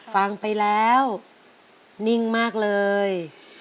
ฟังไปแล้วนิ่งมากเลย